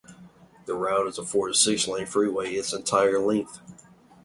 The route is a four- to six-lane freeway its entire length.